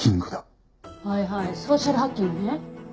はいはいソーシャルハッキングね。